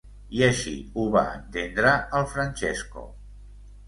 I així ho va entendre el Francesco.